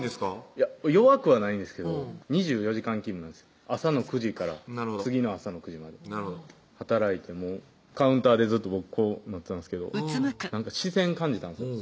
いや弱くはないんですけど２４時間勤務なんですよ朝の９時から次の朝の９時までなるほど働いてカウンターでずっと僕こうなってたんですけどなんか視線感じたんですよ